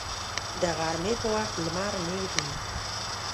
د غرمې په وخت لمر نیغ وي